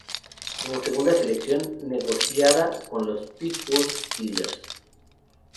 Como segunda selección, negociada con los Pittsburgh Steelers.